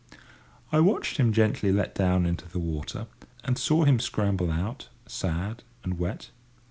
I watched him gently let down into the water, and saw him scramble out, sad and wet.